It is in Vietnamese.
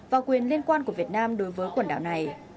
và quyền liên quan của việt nam đối với quần đảo này